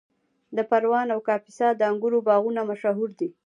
د پروان او کاپیسا د انګورو باغونه مشهور دي.